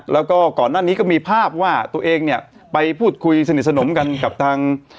แล้วก็ก่อนหน้านี้ก็มีภาพว่าตัวเองเนี่ยไปพูดคุยสนิทสนมกันกับทาง